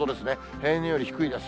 平年より低いです。